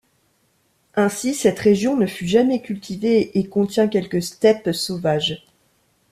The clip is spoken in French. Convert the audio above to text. Ainsi, cette région ne fut jamais cultivée et contient quelques steppes sauvages.